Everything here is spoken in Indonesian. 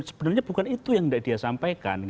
sebenarnya bukan itu yang tidak dia sampaikan